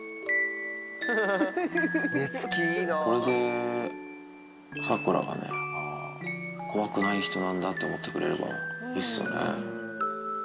これで、サクラがね、怖くない人なんだって分かってくれればいいっすよね。